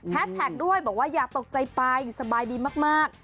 แท็กด้วยบอกว่าอย่าตกใจไปสบายดีมาก